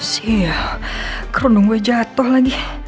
sial kru dung gue jatuh lagi